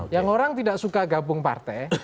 yang orang tidak suka gabung partai